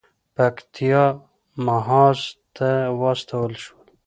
پکتیا محاذ ته واستول شول.